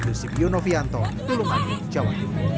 jusip yonovianto tulungani jawa